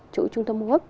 chỗ trung tâm ngốc